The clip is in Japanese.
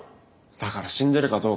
だから死んでるかどうか。